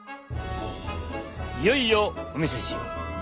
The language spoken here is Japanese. いよいよお見せしよう！